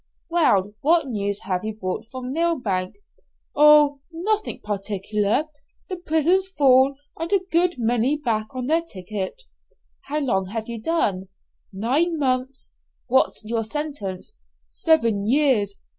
"Well, what news have you brought from Millbank?" "Oh, nothing particular; the prison's full, and a good many back on their ticket." "How long have you done?" "Nine months." "What's your sentence?" "Seven years."